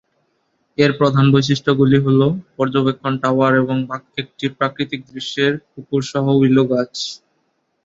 এর প্রধান বৈশিষ্ট্যগুলি হ'ল পর্যবেক্ষণ টাওয়ার এবং একটি প্রাকৃতিক দৃশ্যের পুকুর সহ উইলো গাছ।